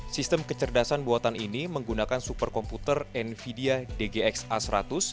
sistem kecerdasan buatan ini menggunakan superkomputer nvidia dgx a seratus